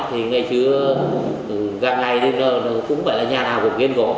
thì ngày trước gần ngày cũng phải là nhà nào cũng kiên cố